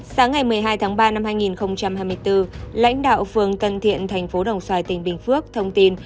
sáng ngày một mươi hai tháng ba năm hai nghìn hai mươi bốn lãnh đạo phường tân thiện thành phố đồng xoài tỉnh bình phước thông tin